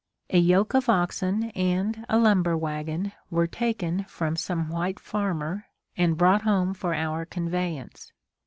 A yoke of oxen and a lumber wagon were taken from some white farmer and brought home for our conveyance.